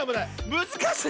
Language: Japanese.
むずかしい！